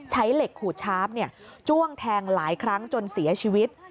ใช้เหล็กขูดชาร์ฟจ้วงแทงหลายครั้งจนเสียชีวิต